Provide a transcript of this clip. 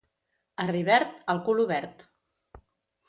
A Rivert, el cul obert.